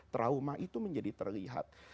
trauma itu menjadi terlihat